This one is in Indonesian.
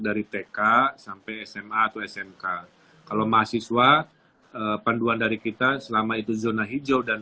dari tk sampai sma atau smk kalau mahasiswa panduan dari kita selama itu zona hijau dan